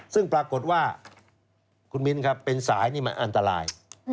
ซึ่งปรากฏว่าคุณมิ้นครับเป็นสายนี่มันอันตราย